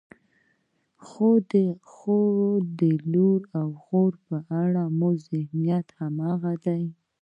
خو د لور او خور په اړه مو ذهنیت همغه دی.